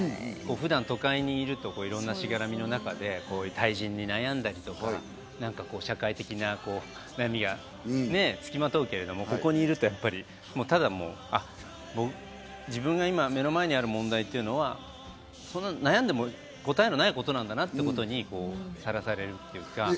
普段、都会にいると、いろんなしがらみの中で対人で悩んだり、社会的な悩みがね、つきまとうけれど、ここにいるとやっぱり、自分が目の前にある問題っていうのは悩んでも答えのないことなんだなっていうことにさらされるというか。